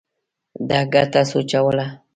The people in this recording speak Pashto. ده ګټه سوچوله.